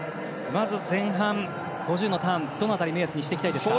まず前半、５０ｍのターンどの辺りを目安にしていきたいですか。